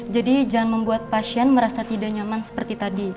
jadi jangan membuat pasien merasa tidak nyaman seperti tadi